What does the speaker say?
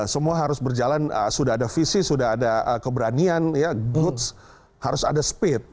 semua harus berjalan sudah ada visi sudah ada keberanian ya goods harus ada speed